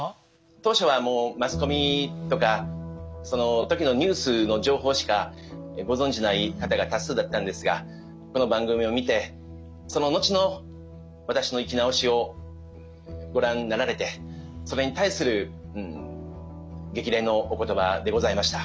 当初はもうマスコミとかその時のニュースの情報しかご存じない方が多数だったんですがこの番組を見てそののちの私の生き直しをご覧になられてそれに対する激励のお言葉でございました。